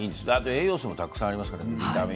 栄養素もたくさんありますからね。